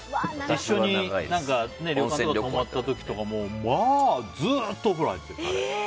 一緒に旅館とかに泊まった時もまあ、ずっとお風呂入ってた。